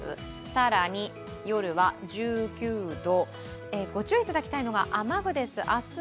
更に夜は１９度、ご注意いただきたいのが雨具です。